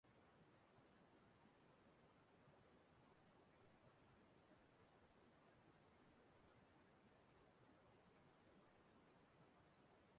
ma tụkwara Chineke mmamma